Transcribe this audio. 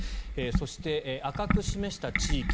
そして赤く示した地域